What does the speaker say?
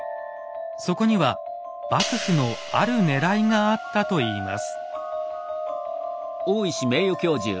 そこには幕府のあるねらいがあったといいます。